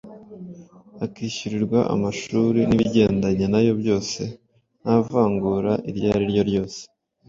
akishyurirwa amashuri n’ibigendanye na yo byose nta vangura iryo ari ryo ryose.